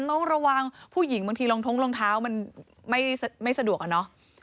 ต้องระวังผู้หญิงบางทีรองท้องรองเท้ามันไม่สะดวกอะเนาะ